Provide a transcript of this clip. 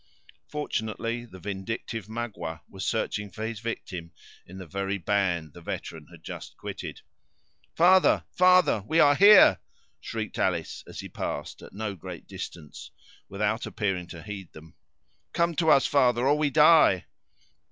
Fortunately, the vindictive Magua was searching for his victim in the very band the veteran had just quitted. "Father—father—we are here!" shrieked Alice, as he passed, at no great distance, without appearing to heed them. "Come to us, father, or we die!"